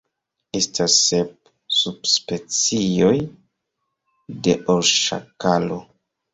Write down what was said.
Estas sep subspecioj de orŝakalo.